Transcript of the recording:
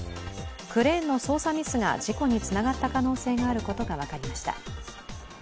クレーンの操作ミスが事故につながった可能性があることが分かりました。